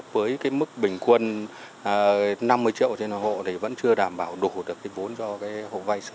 với cái mức bình quân năm mươi triệu trên hộ thì vẫn chưa đảm bảo đủ được cái vốn cho cái hộ vay sử dụng